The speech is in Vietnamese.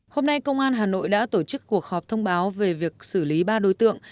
hôm nay công an hà nội đã tổ chức cuộc họp thông báo về việc xử lý ba đối tượng